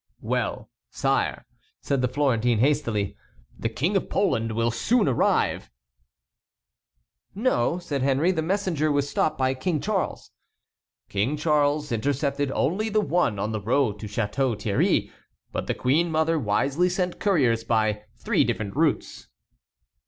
"Well, sire," said the Florentine, hastily, "the King of Poland will soon arrive!" "No," said Henry, "the messenger was stopped by King Charles." "King Charles intercepted only the one on the road to Château Thierry. But the queen mother wisely sent couriers by three different routes."